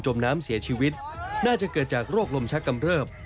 น้ำเสียชีวิตน่าจะเกิดจากโรคลมชักกำเริบ